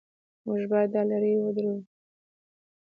موږ باید دا لړۍ ودروو.